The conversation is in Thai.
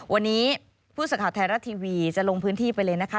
วันนี้ผู้สื่อข่าวไทยรัฐทีวีจะลงพื้นที่ไปเลยนะคะ